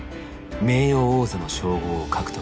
名誉王座の称号を獲得する。